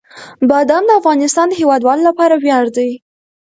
بادام د افغانستان د هیوادوالو لپاره ویاړ دی.